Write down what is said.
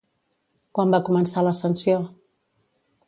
Quan va començar l'ascensió?